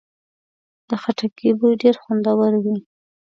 د خټکي بوی ډېر خوندور وي.